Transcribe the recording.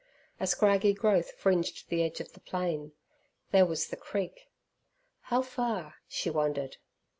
A scraggy growth fringed the edge of the plain. There was the creek. How far? she wondered.